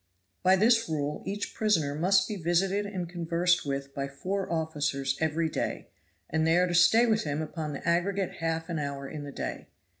By this rule each prisoner must be visited and conversed with by four officers every day, and they are to stay with him upon the aggregate half an hour in the day.